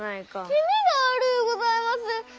気味が悪うございます！